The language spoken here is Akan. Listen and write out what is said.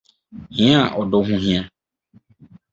Hia a Ɔdɔ Ho Hia